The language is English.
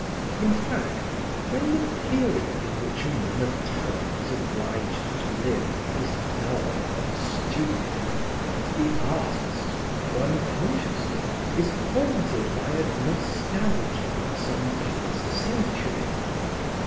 In fact, when the period in which a man of talent is obliged to live is dull and stupid, the artist, though unconsciously, is haunted by a nostalgia of some past century.